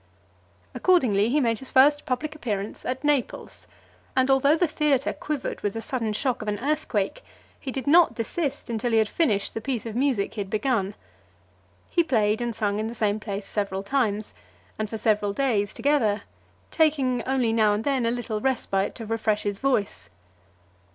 Accordingly, he made his first public appearance at Naples; and although the theatre quivered with the sudden shock of an earthquake, he did not desist, until he had finished the piece of music he had begun. He played and sung in the same place several times, and for several days together; taking only now and then a little respite to refresh his voice.